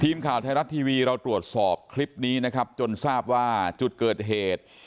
ทีมข่าวไทยรัฐทีวีเราตรวจสอบคลิปนี้นะครับจนทราบว่าจุดเกิดเหตุ